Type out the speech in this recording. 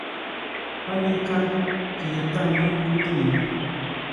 Paniiqa killatami kutimun.